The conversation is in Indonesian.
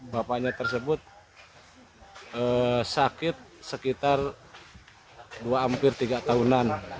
bapaknya tersebut sakit sekitar dua hampir tiga tahunan